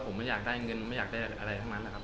ผมไม่อยากได้เงินไม่อยากได้อะไรทั้งนั้นนะครับ